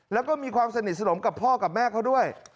แล้วก็มีความสนิทสนมกับพ่อกับแม่เขาด้วย